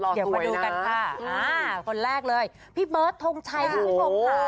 เดี๋ยวมาดูกันค่ะคนแรกเลยพี่เบิร์ททงชัยที่ไม่พงศา